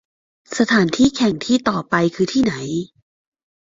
สถานที่แข่งที่ต่อไปคือที่ไหน